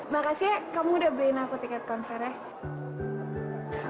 makasih ya kamu udah beliin aku tiket konsernya